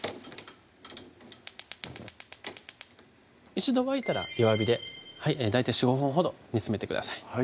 一度沸いたら弱火で大体４５分ほど煮つめてください